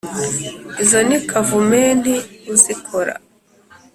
Izo ni Kavumenti uzikora